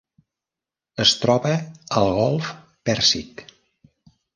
Es troba al Golf Pèrsic.